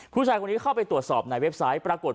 ผู้ชายคนนี้เข้าไปตรวจสอบในเว็บไซต์ปรากฏ